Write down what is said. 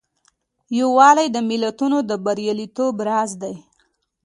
یووالی د ملتونو د بریالیتوب راز دی.